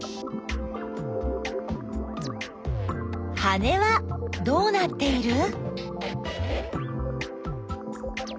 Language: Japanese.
羽はどうなっている？